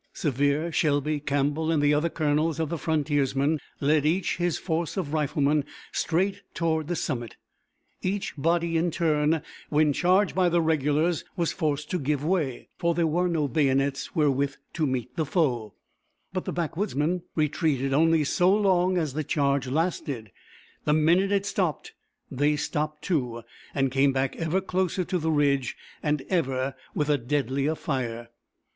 Sevier, Shelby, Campbell, and the other colonels of the frontiersmen, led each his force of riflemen straight toward the summit. Each body in turn when charged by the regulars was forced to give way, for there were no bayonets wherewith to meet the foe; but the backwoodsmen retreated only so long as the charge lasted, and the minute that it stopped they stopped too, and came back ever closer to the ridge and ever with a deadlier fire.